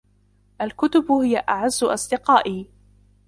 الكتب هي أعز أصدقائي.